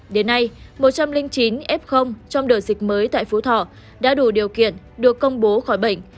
đến nay một trăm linh chín f trong đợt dịch mới tại phú thọ đã đủ điều kiện được công bố khỏi bệnh